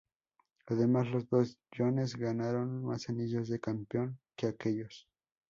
Además, los dos ""Jones"" ganaron más anillos de campeón que aquellos.